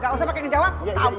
gak usah pake ngejawang